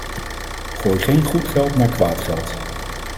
Gooi geen goed geld naar kwaad geld.